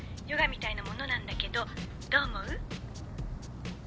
ヨガみたいなものなんだけどどう思う？